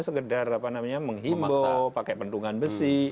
sekedar apa namanya menghimbau pakai penungan besi